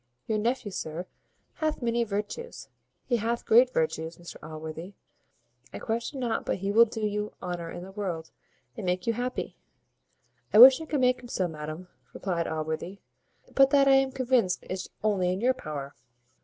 Your nephew, sir, hath many virtues he hath great virtues, Mr Allworthy. I question not but he will do you honour in the world, and make you happy." "I wish I could make him so, madam," replied Allworthy; "but that I am convinced is only in your power.